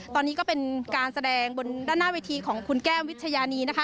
ตอนนี้ก็เป็นการแสดงบนด้านหน้าเวทีของคุณแก้มวิชญานีนะคะ